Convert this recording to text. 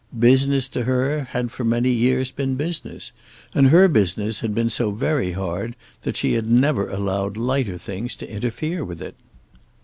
Business to her had for many years been business, and her business had been so very hard that she had never allowed lighter things to interfere with it.